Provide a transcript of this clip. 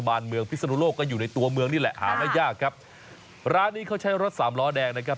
เมืองพิศนุโลกก็อยู่ในตัวเมืองนี่แหละหาไม่ยากครับร้านนี้เขาใช้รถสามล้อแดงนะครับ